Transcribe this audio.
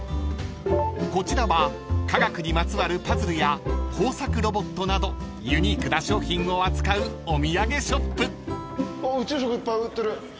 ［こちらは科学にまつわるパズルや工作ロボットなどユニークな商品を扱うお土産ショップ］